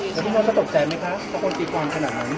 แล้วพี่น้องจะตกใจไหมคะเพราะคนตีความขนาดนั้น